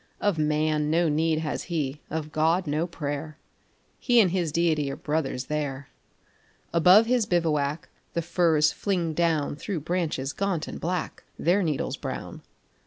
Of man no need has he, of God, no prayer; He and his Deity are brothers there. Above his bivouac the firs fling down Through branches gaunt and black, their needles brown.